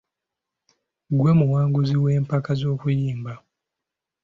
Ggwe muwangunzi w’empaka z’okuyimba.